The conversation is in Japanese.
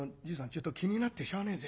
ちょっと気になってしゃあねえぜ。